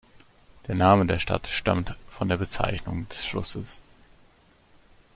Der Name der Stadt stammt von der Bezeichnung des Flusses.